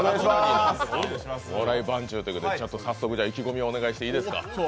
お笑い番長ということで、早速、意気込みをお願いしていいですか？